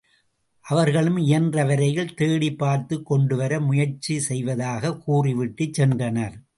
அவர்களும் இயன்ற வரையில் தேடிப் பார்த்துக் கொண்டுவர முயற்சி செய்வதாகக் கூறிவிட்டுச் சென்றனர்.